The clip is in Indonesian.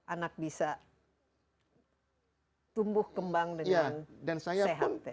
anak bisa tumbuh kembang dengan sehat